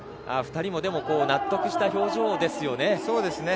２人も納得した表情ですね。